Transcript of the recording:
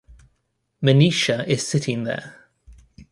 Manisha is sitting there.